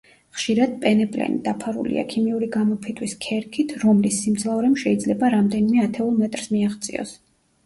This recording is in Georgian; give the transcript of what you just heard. ხშირად პენეპლენი დაფარულია ქიმიური გამოფიტვის ქერქით, რომლის სიმძლავრემ შეიძლება რამდენიმე ათეულ მეტრს მიაღწიოს.